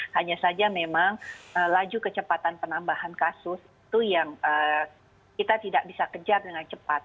hanya saja memang laju kecepatan penambahan kasus itu yang kita tidak bisa kejar dengan cepat